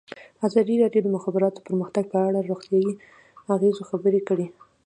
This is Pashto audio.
ازادي راډیو د د مخابراتو پرمختګ په اړه د روغتیایي اغېزو خبره کړې.